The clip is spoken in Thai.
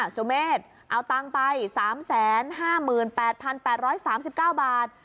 สุเมฆเอาตังค์ไป๓๕๘๘๓๙บาท